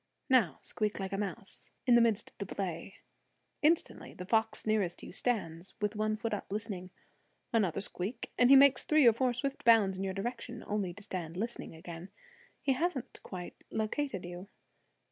Now squeak like a mouse, in the midst of the play. Instantly the fox nearest you stands, with one foot up, listening. Another squeak, and he makes three or four swift bounds in your direction, only to stand listening again; he hasn't quite located you.